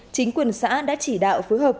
chính quyền xã đã chỉ đạo phối hợp